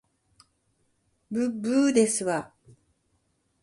ぶっぶーですわ